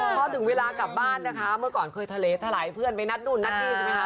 พอถึงเวลากลับบ้านนะคะเมื่อก่อนเคยทะเลทะลายเพื่อนไปนัดนู่นนัดนี่ใช่ไหมคะ